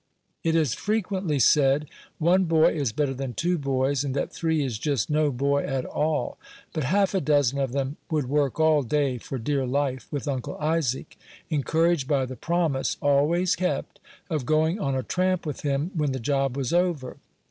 It is frequently said, one boy is better than two boys, and that three is just no boy at all; but half a dozen of them would work all day for dear life, with Uncle Isaac, encouraged by the promise, always kept, of going on a tramp with him when the job was over.